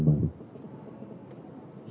sebenarnya kita harus mengajukan baru